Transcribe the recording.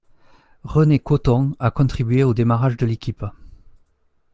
René Cotton a contribué au démarrage de l'équipe.